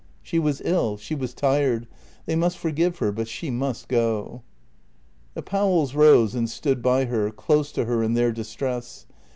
She was ill; she was tired; they must forgive her, but she must go. The Powells rose and stood by her, close to her, in their distress.